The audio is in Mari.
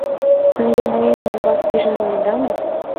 — Ынде мыйын ӱмбак пижын улыда мо?